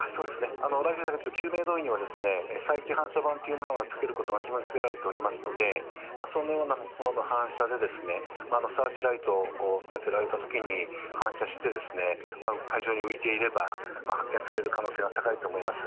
ライフジャケット、救命胴衣には反射板をつけることが義務付けられておりますので、そのようなものの反射サーチライトを当てられたときに反射して、海上に浮いていれば発見される可能性が高いと思います。